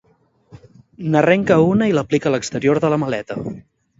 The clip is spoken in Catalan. N'arrenca una i l'aplica a l'exterior de la maleta.